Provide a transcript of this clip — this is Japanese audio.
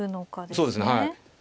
そうですねはい。